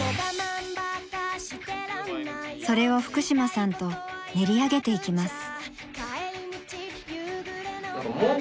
それを福島さんと練り上げていきます。